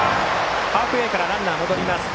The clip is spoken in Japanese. ハーフウエーからランナー戻りました。